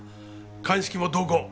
鑑識も同行。